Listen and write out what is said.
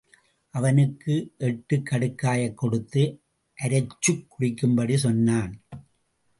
அவனுக்கும் எட்டு கடுக்காயைக் கொடுத்து அரைச்சுக் குடிக்கும்படி சொன்னான்.